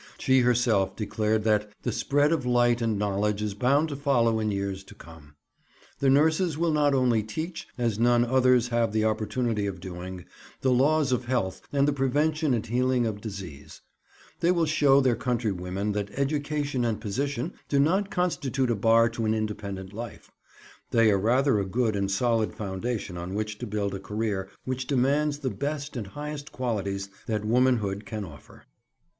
She herself declared that 'the spread of light and knowledge is bound to follow in years to come. The nurses will not only teach, as none others have the opportunity of doing, the laws of health and the prevention and healing of disease; they will show their countrywomen that education and position do not constitute a bar to an independent life; they are rather a good and solid foundation on which to build a career which demands the best and highest qualities that womanhood can offer.'